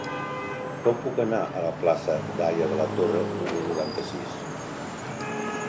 Com puc anar a la plaça d'Haya de la Torre número noranta-sis?